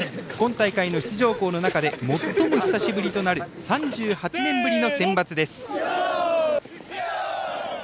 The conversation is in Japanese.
今大会の出場校の中で最も久しぶりとなる３８年ぶりのセンバツです。